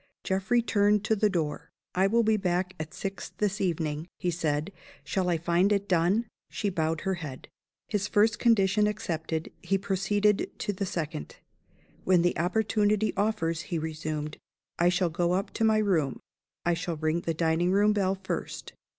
Geoffrey turned to the door. "I will be back at six this evening," he said. "Shall I find it done?" She bowed her head. His first condition accepted, he proceeded to the second. "When the opportunity offers," he resumed, "I shall go up to my room. I shall ring the dining room bell first.